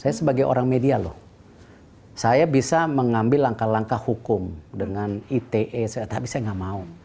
saya sebagai orang media loh saya bisa mengambil langkah langkah hukum dengan ite tapi saya nggak mau